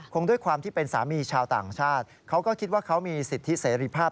ด้วยความที่เป็นสามีชาวต่างชาติเขาก็คิดว่าเขามีสิทธิเสรีภาพ